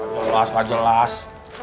enggak jelas pak jelas